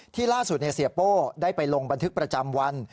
ล่าสุดเสียโป้ได้ไปลงบันทึกประจำวัน